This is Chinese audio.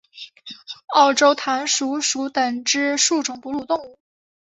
澳洲弹鼠属等之数种哺乳动物。